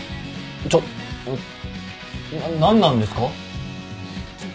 ちょっんっなっ何なんですか？